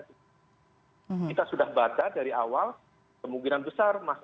kita sudah bata dari awal kemungkinan besar masalah